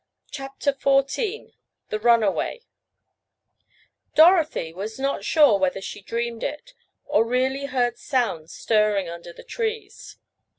CHAPTER XIV THE RUNAWAY Dorothy was not sure whether she dreamed it, or really heard sounds stirring under the trees.